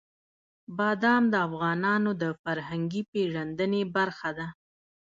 بادام د افغانانو د فرهنګي پیژندنې برخه ده.